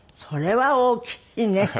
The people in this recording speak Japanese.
それは大きいね。